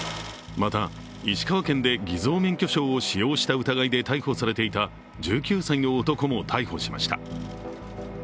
また、石川県で偽造免許証を使用した疑いで逮捕されていた１９歳の男も逮捕しました。